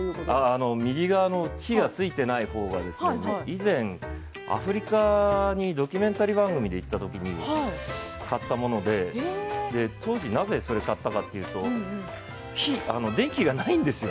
右側の火がついてないほうが以前アフリカでドキュメンタリー番組で行ったときに買ったもので当時、なぜ買ったかというと電気がないんですよ。